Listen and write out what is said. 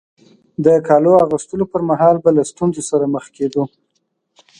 د کالو اغوستلو پر مهال به له ستونزو سره مخ کېدو.